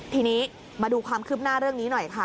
ทีนี้มาดูความคืบหน้าเรื่องนี้หน่อยค่ะ